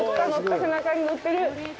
背中に乗ってる。